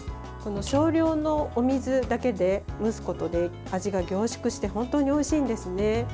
少量のお水だけで蒸すことで味が凝縮して本当においしいんですね。